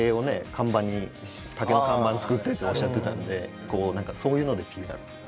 看板に竹の看板作ってっておっしゃってたのでこう何かそういうのでＰＲとかね。